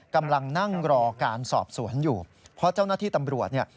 กำลังนั่งรอการสอบสวนอยู่เพราะเจ้าหน้าที่ตำรวจเนี่ย